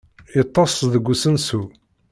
Yeṭṭes deg usensu.